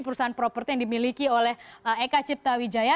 perusahaan properti yang dimiliki oleh eka cipta wijaya